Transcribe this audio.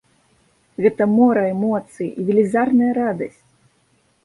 Гэта мора эмоцый і велізарная радасць.